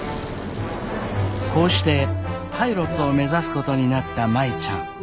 こうしてパイロットを目指すことになった舞ちゃん。